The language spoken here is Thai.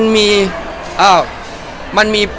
มันมี